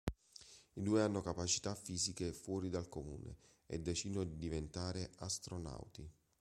I due hanno capacità fisiche fuori dal comune e decidono di diventare astronauti.